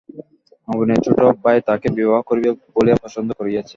নবীনের ছোটো ভাই তাকে বিবাহ করিবে বলিয়া পছন্দ করিয়াছে।